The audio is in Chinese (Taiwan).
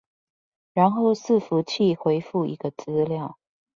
然後伺服器回覆一個資料